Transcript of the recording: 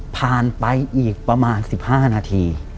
ผ่านไปอีกประมาณ๑๕นาที